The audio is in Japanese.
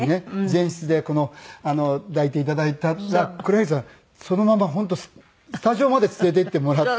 前室で抱いて頂いたら黒柳さんそのまま本当スタジオまで連れていってもらって。